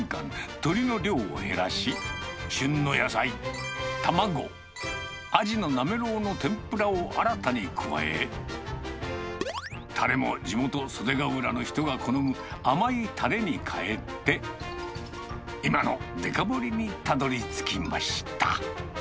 鶏の量を減らし、旬の野菜、卵、アジのなめろうの天ぷらを新たに加え、たれも地元、袖ヶ浦の人が好む甘いたれに変えて、今のデカ盛りにたどりつきました。